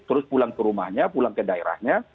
terus pulang ke rumahnya pulang ke daerahnya